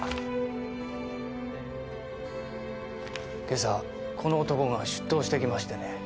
今朝この男が出頭してきましてね。